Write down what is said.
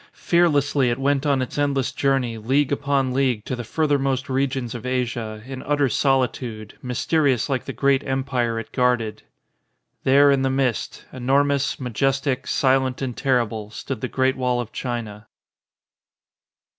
Fear lessly, it went on its endless journey, league upon league to the furthermost regions of Asia, in utter solitude, mysterious like the great empire it guarded. There in the mist, enormous, majestic, silent, and terrible, stood the Great Wall of China.